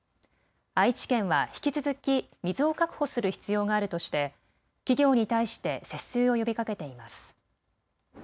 愛知県は引き続き水を確保する必要があるとして企業に対して節水を呼びかけています。